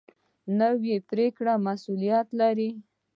نوې پرېکړه مسؤلیت لري